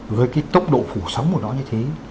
với cái tốc độ phủ sóng của nó như thế